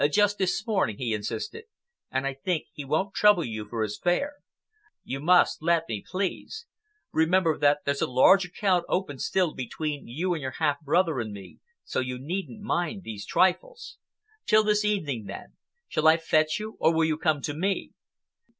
"Just this morning," he insisted, "and I think he won't trouble you for his fare. You must let me, please. Remember that there's a large account open still between your half brother and me, so you needn't mind these trifles. Till this evening, then. Shall I fetch you or will you come to me?"